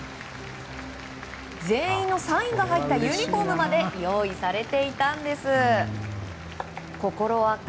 全員のサインが入ったユニホームまで用意されていたんです。